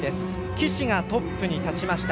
岸がトップに立ちました。